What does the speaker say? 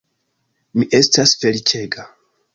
Mi estas feliĉega.